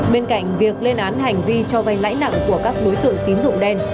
bên cạnh việc lên án hành vi cho vay lãi nặng của các đối tượng tín dụng đen